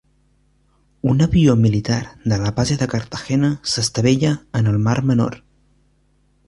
Un avió militar de la base de Cartagena s'estavella en el Mar Menor